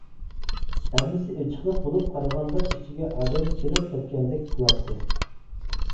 ھەممىسى ئېچىقلىق بولۇپ قارىغاندا ئىچىگە ئادەم كىرىپ كەتكەندەك قىلاتتى.